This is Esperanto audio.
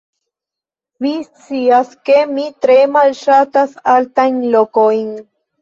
Vi scias ke mi tre malŝatas altajn lokojn